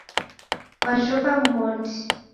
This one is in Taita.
Wajhoka mghondi.